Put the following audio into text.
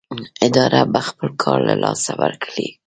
اداره به خپل کار له لاسه ورکړي.